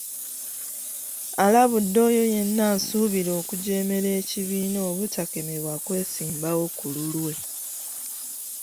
Alabudde oyo yenna asuubira okujeemera ekibiina obutakemebwa kwesimbawo ku lulwe.